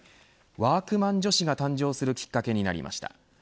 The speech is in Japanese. ワークマン女子が誕生するきっかけになりました。